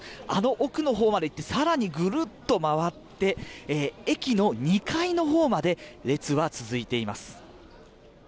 奥のほうまで行って更にぐるっと回って駅の２階のほうまで列は続いています。